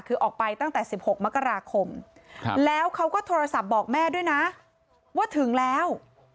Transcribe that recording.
คือออกไปตั้งแต่๑๖มกราคมแล้วเขาก็โทรศัพท์บอกแม่ด้วยนะว่าถึงแล้ว